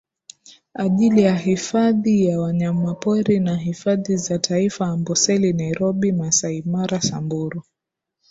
ajili ya hifadhi ya wanyamapori na hifadhi za taifa Amboseli Nairobi Masai Mara Samburu